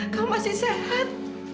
kamu masih sehat